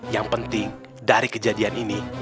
yang penting dari kejadian ini